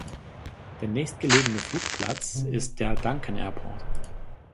Der nächstgelegene Flugplatz ist der Duncan Airport.